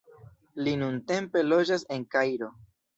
Li nuntempe loĝas en Kairo.